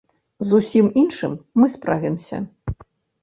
З усім іншым мы справімся.